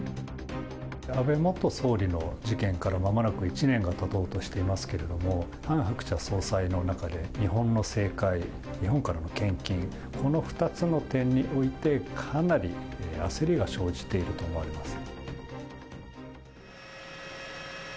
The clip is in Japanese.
安倍元総理の事件からまもなく１年が経とうとしていますけれども、ハン・ハクチャ総裁の中で、日本の政界、日本からの献金、この２つの点において、かなり焦りが生じていると思われます。